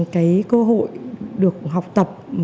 cái cơ hội được học tập